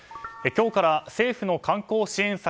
今日から政府の観光支援策